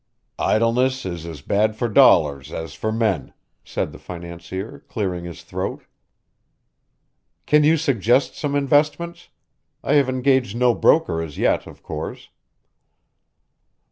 "Idleness is as bad for dollars as for men," said the financier, clearing his throat. "Can you suggest some investments? I have engaged no broker as yet, of course."